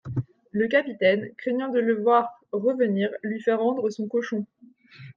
Le capitaine, craignant de le voir revenir, lui fait rendre son cochon.